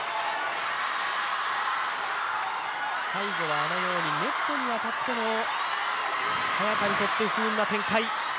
最後はあのようにネットに当たっての、早田にとって不運な展開。